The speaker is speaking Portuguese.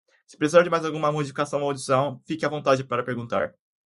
Se precisar de mais alguma modificação ou adição, fique à vontade para perguntar!